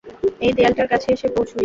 এই দেয়ালটার কাছে এসে পৌঁছুই।